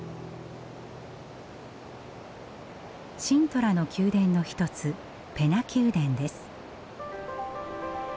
シントラの宮殿の一つペナ宮殿です。